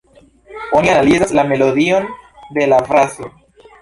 Oni analizas la melodion de la frazo.